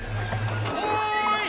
おい！